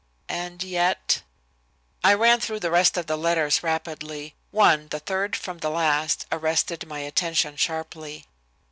"And yet " I ran through the rest of the letters rapidly. One, the third from the last, arrested my attention sharply.